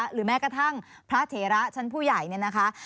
หรือแม้กระทั่งพระเถระชั้นผู้ใหญ่เนี่ยนะคะ